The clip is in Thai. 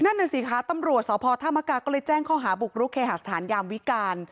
นั่นน่ะสิคะตำรวจสพธามกาก็เลยแจ้งข้อหาบุกรุกเคหาสถานยามวิการ